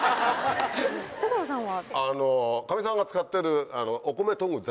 所さんは？